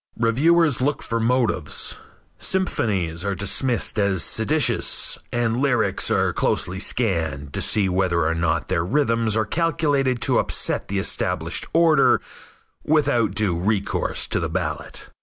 Reviewers look for motives. Symphonies are dismissed as seditious, and lyrics are closely scanned to see whether or not their rhythms are calculated to upset the established order without due recourse to the ballot.